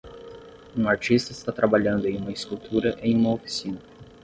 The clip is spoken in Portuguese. Um artista está trabalhando em uma escultura em uma oficina.